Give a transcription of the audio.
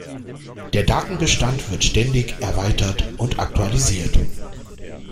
Der Datenbestand wird ständig erweitert und aktualisiert.